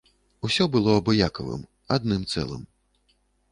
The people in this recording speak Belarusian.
Усё было абыякавым, адным цэлым.